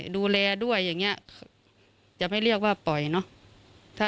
ดูแลด้วยอย่างนี้จะไม่เรียกว่าปล่อยเนอะ